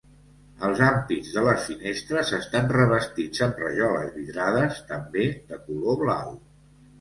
Els ampits de les finestres estan revestits amb rajoles vidrades també de color blau.